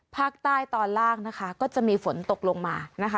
ภาคใต้ตอนล่างนะคะก็จะมีฝนตกลงมานะคะ